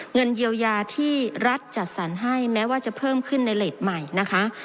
เงินเยียวยาที่รัฐจัดสรรให้แม้ว่าจะเพิ่มขึ้นในเลสใหม่นะคะ